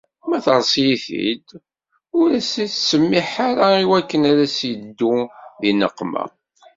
Ma terṣel-it-id ur as-ittsemmiḥ ara iwakken ad as-yeddu di neqqma.